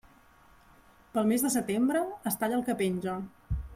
Pel mes de setembre, es talla el que penja.